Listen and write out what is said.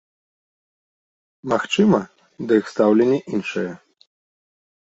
Магчыма, да іх стаўленне іншае.